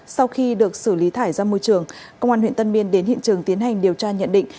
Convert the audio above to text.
sau khi được xử lý thải ra môi trường công an huyện tân biên đến hiện trường tiến hành điều tra nhận định